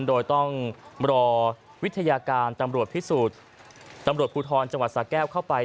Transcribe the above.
โดยต้องรอวิทยาการตำรวจพิสูจน์ตำรวจภูทรจังหวัดสาแก้วเข้าไป